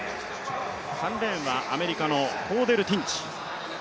３レーンはアメリカのコーデル・ティンチ。